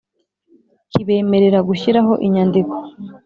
Kibemerera Gushyiraho Inyandiko